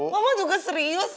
mama juga serius